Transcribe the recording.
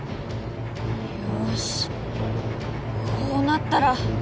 よしこうなったら。